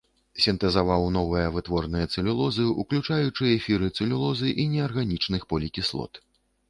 Сінтэзаваў новыя вытворныя цэлюлозы, уключаючы эфіры цэлюлозы і неарганічных полікіслот.